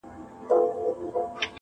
؛پر مزار به یې رپېږي جنډۍ ورو ورو؛